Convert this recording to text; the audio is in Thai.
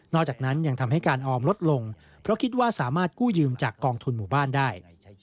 จากนั้นยังทำให้การออมลดลงเพราะคิดว่าสามารถกู้ยืมจากกองทุนหมู่บ้านได้